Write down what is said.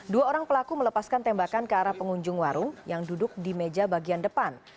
dua orang pelaku melepaskan tembakan ke arah pengunjung warung yang duduk di meja bagian depan